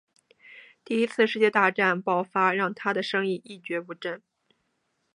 但第一次世界大战爆发让他的生意一蹶不振。